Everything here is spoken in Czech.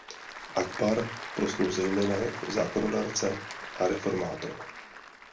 Akbar proslul zejména jako zákonodárce a reformátor.